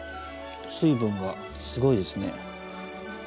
水分がすごいですね。